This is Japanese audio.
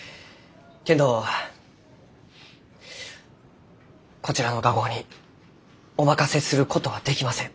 けんどこちらの画工にお任せすることはできません。